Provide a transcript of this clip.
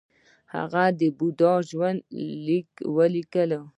هغه د بودا ژوند لیک ولیکه